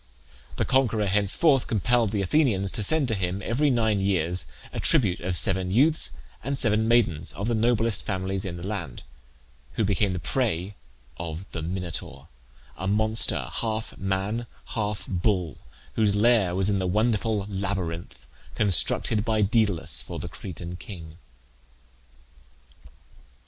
The conqueror henceforth compelled the Athenians to send to him every nine years a tribute of seven youths and seven maidens of the noblest families of the land, who became the prey of the Minotaur, a monster, half man, half bull, whose lair was in the wonderful labyrinth, constructed by Daedalus for the Cretan king.